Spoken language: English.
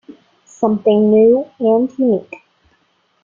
Something new and unique.